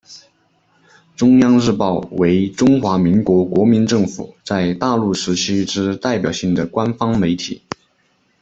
中央日报为中华民国国民政府在大陆时期之代表性的官方媒体。